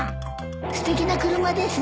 すてきな車ですね。